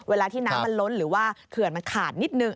เวลาที่น้ำมันล้นหรือว่าเขื่อนมันขาดนิดนึง